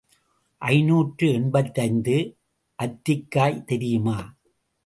ஐநூற்று எண்பத்தைந்து அத்திக்காய் தெரியுமா?